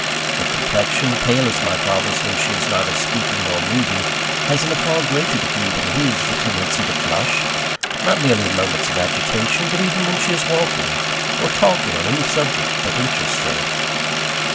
Her complexion, pale as my father's when she is neither speaking nor moving, has in a far greater degree than his the tendency to flush, not merely in moments of agitation, but even when she is walking, or talking on any subject that interests her.